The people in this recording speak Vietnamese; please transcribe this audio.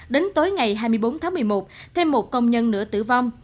đến tối ngày hai mươi bốn tháng một mươi một thêm một công nhân nữa tử vong